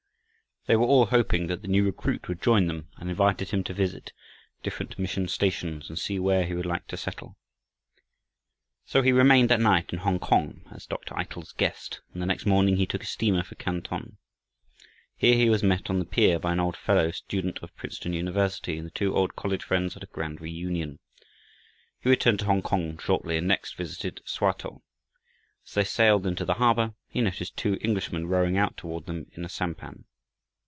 They were all hoping that the new recruit would join them, and invited him to visit different mission stations, and see where he would like to settle. So he remained that night in Hongkong, as Dr. Eitel's guest, and the next morning he took a steamer for Canton. Here he was met on the pier by an old fellow student of Princeton University, and the two old college friends had a grand reunion. He returned to Hongkong shortly, and next visited Swatow. As they sailed into the harbor, he noticed two Englishmen rowing out toward them in a sampan.